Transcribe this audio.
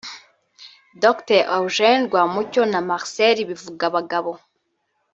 Dr Eugène Rwamucyo na Marcel Bivugabagabo